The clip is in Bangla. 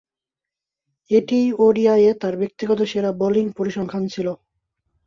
এটিই ওডিআইয়ে তার ব্যক্তিগত সেরা বোলিং পরিসংখ্যান ছিল।